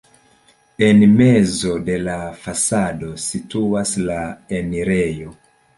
En mezo de la fasado situas la enirejo.